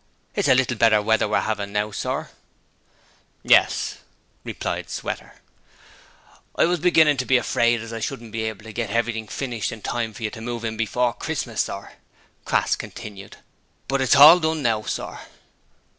'It's a little better weather we're 'avin' now, sir.' 'Yes,' replied Sweater. 'I was beginnin' to be afraid as I shouldn't be hable to git heverything finished in time for you to move in before Christmas, sir,' Crass continued, 'but it's hall done now, sir.'